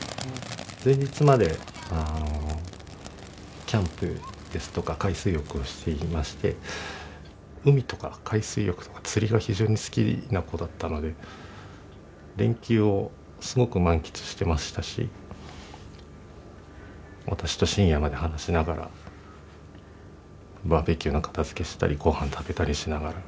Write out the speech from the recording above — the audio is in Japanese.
前日までキャンプですとか海水浴をしていまして海とか海水浴とか釣りが非常に好きな子だったので連休をすごく満喫してましたし私と深夜まで話しながらバーベキューの片づけしたりごはん食べたりしながら。